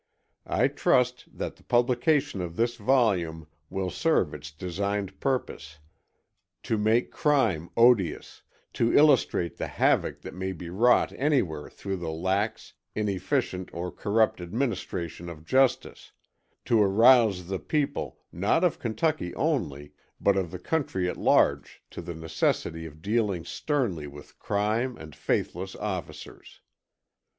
I trust that the publication of this volume will serve its designed purposes: to make crime odious; to illustrate the havoc that may be wrought anywhere through the lax, inefficient or corrupt administration of justice; to arouse the people, not of Kentucky only, but of the country at large to the necessity of dealing sternly with crime and faithless officers.